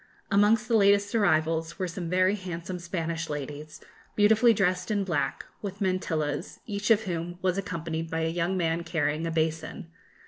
Amongst the latest arrivals were some very handsome Spanish ladies, beautifully dressed in black, with mantillas, each of whom was accompanied by a young man carrying a basin.